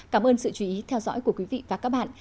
cảm ơn sự chú ý theo dõi của quý vị và các bạn